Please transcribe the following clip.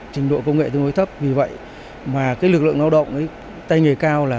trình độ công nghệ tương đối thấp vì vậy mà cái lực lượng lao động tay nghề cao là